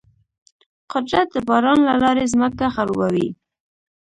قدرت د باران له لارې ځمکه خړوبوي.